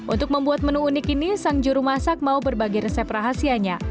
untuk membuat menu unik ini sang juru masak mau berbagi resep rahasianya